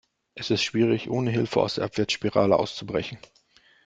Es ist schwierig, ohne Hilfe aus der Abwärtsspirale auszubrechen.